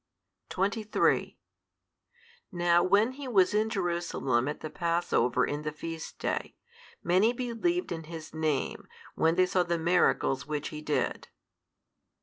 |165 23 Now when He was in Jerusalem at the Passover in the feast day, many believed in His Name, when they saw the miracles which He did.